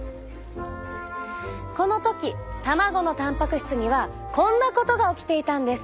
この時卵のたんぱく質にはこんなことが起きていたんです。